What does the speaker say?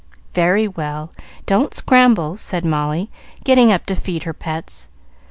"Very well, don't scramble," said Molly, getting up to feed her pets.